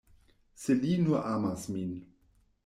Se li nur amas min.